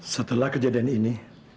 setelah kejadian ini